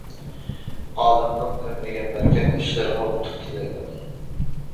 ئالىمنىڭ ئۆمرىگە بەرىكەت، ئىشلىرىغا ئۇتۇق تىلەيمەن.